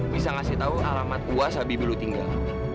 bisa ngasih tau alamat wasabi belu tinggal